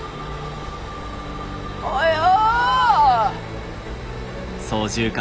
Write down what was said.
およ！